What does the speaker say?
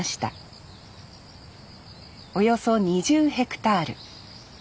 およそ２０ヘクタール。